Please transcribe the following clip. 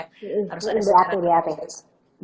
harus ada sejarah